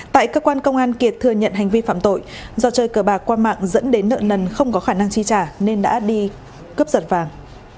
tại cơ quan công an kiệt thừa nhận hành vi phạm tội do chơi cờ bạc qua mạng dẫn đến nợ nần không có khả năng chi trả nên đã đi cướp giật vàng